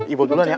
ibob duluan ya